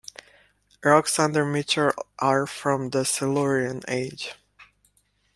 Rocks under Mitchell are from the Silurian age.